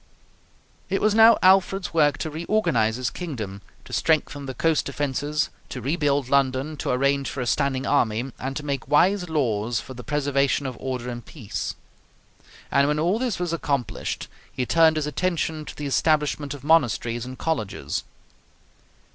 It was now Alfred's work to reorganize his kingdom, to strengthen the coast defenses, to rebuild London, to arrange for a standing army, and to make wise laws for the preservation of order and peace; and when all this was accomplished, he turned his attention to the establishment of monasteries and colleges.